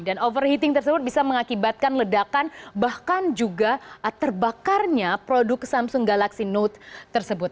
dan overheating tersebut bisa mengakibatkan ledakan bahkan juga terbakarnya produk samsung galaxy note tersebut